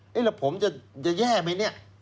นี่แหละผมจะแย่บะเนี่ย